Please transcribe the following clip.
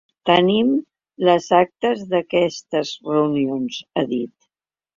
Tenim les actes d’aquestes reunions, ha dit.